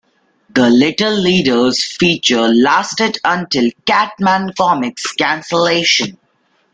The "Little Leaders" feature lasted until "Cat-Man Comics"' cancellation.